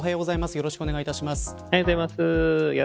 よろしくお願いします。